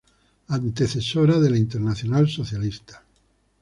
Antecesora de la Internacional Socialista.